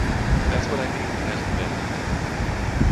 That’s what I mean hasn’t been.